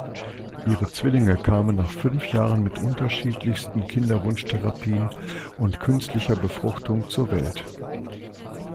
Ihre Zwillinge kamen nach fünf Jahren mit unterschiedlichsten Kinderwunsch-Therapien und künstlicher Befruchtung zur Welt.